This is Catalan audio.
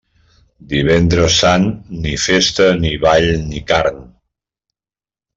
Divendres sant, ni festa, ni ball, ni carn.